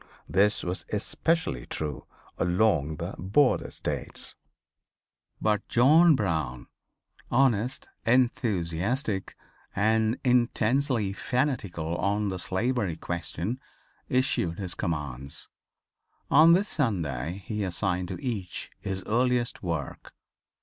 This was especially true along the border states. But John Brown honest, enthusiastic and intensely fanatical on the slavery question issued his commands. On this Sunday he assigned to each his earliest work.